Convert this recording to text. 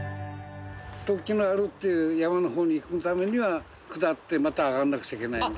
突起のあるっていう山の方に行くためには下ってまた上がらなくちゃいけないんで。